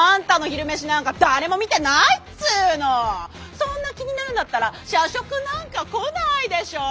そんな気になるんだったら社食なんか来ないでしょ！